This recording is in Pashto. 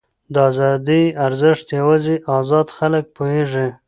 د ازادۍ ارزښت یوازې ازاد خلک پوهېږي.